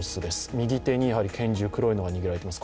右手に拳銃、黒いのが握られています。